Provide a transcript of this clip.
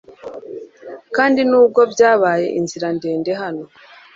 kandi nubwo byabaye inzira ndende hano